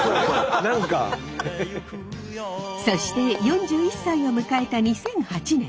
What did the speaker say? そして４１歳を迎えた２００８年。